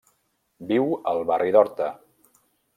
Viu al barri d'Horta.